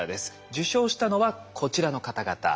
受賞したのはこちらの方々。